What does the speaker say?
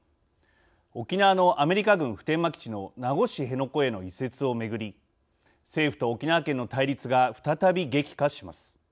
沖縄のアメリカ軍普天間基地の名護市辺野古への移設をめぐり政府と沖縄県の対立が再び激化します。